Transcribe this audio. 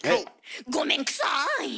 ごめんくさい！